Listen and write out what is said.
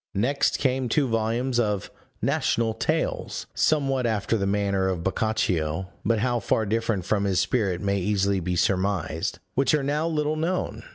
Next came two volumes of National Tales, somewhat after the manner of Boccaccio (but how far different from his spirit may easily be surmised), which are now little known.